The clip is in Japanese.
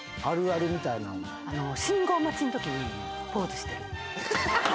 信号待ちんときにポーズしてる。